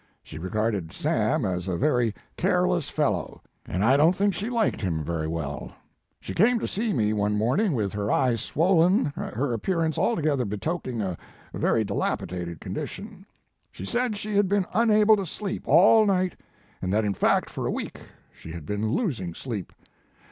She regarded Sam as a very careless fellow and I don t think she liked him very well. She came to me one morning with her eyes swollen and her appearance alto gether betokening a very dilapidated condition. She said she had been unable to sleep all night and that in fact for a week she had been losing sleep.